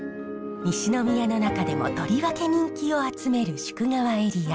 西宮の中でもとりわけ人気を集める夙川エリア。